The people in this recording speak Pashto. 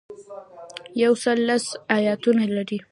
یو سل لس ایاتونه لري.